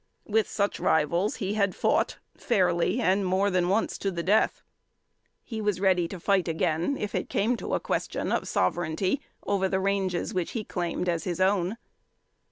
With such rivals he had fought fairly and more than once to the death. He was ready to fight again, if it came to a question of sovereignty over the ranges which he claimed as his own.